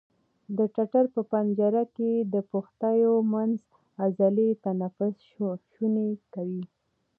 د ټټر په پنجره کې د پښتیو منځ عضلې تنفس شونی کوي.